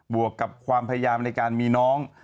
วกกับความพยายามในการมีน้อง